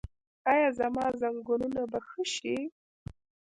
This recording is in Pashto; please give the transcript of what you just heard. ایا زما زنګونونه به ښه شي؟